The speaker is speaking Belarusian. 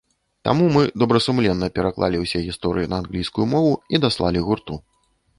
Таму мы добрасумленна пераклалі ўсе гісторыі на англійскую мову і даслалі гурту.